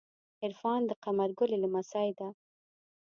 عرفان د قمر ګلی لمسۍ ده.